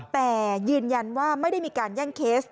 แต่ยืนยันว่าไม่ได้มีการแย่งเคส